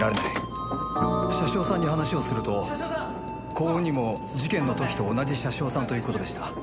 車掌さんに話をすると幸運にも事件の時と同じ車掌さんという事でした。